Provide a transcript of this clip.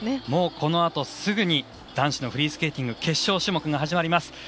もう、この後すぐに男子のフリースケーティング決勝が始まります。